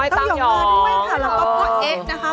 ต้องออกมาด้วยค่ะแล้วก็พ่อเอ๊ะนะคะ